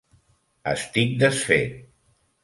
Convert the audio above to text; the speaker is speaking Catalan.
Estic desfet.